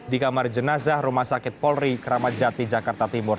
di kamar jenazah rumah sakit polri kramat jati jakarta timur